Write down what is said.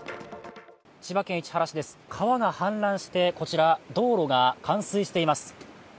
千葉県市原市です川が氾濫して、こちら道路が冠水しています。